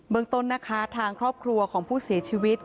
เมืองต้นนะคะทางครอบครัวของผู้เสียชีวิต